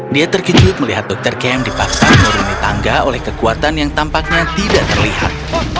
dia terkejut melihat dokter kem dipaksa menuruni tangga oleh kekuatan yang tampaknya tidak terlihat